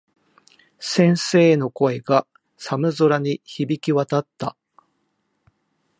先生の声が、寒空に響き渡った。